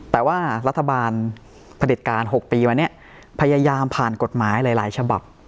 แต่ว่ารัฐบาลผลิตการ๖ปีมาเนี่ยพยายามผ่านกฎหมายหลายฉบับ